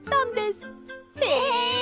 へえ！